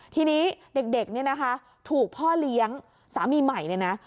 ทีนี้เด็กถูกพ่อเลี้ยงสามีใหม่